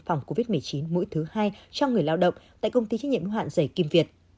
phòng covid một mươi chín mũi thứ hai cho người lao động tại công ty chính nhiệm ngoại dạy kim việt